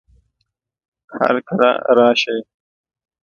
هرکله راشئ!